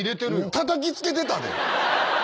たたきつけてたで。